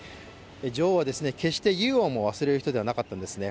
女王は決してユーモアを忘れる人ではなかったんですね。